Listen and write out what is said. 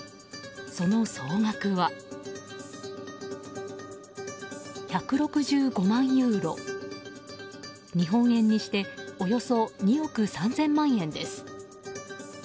その総額は１６５万ユーロ日本円にしておよそ２億３０００万円です。